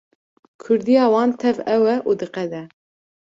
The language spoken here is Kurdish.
Kurdiya wan tev ew e û diqede.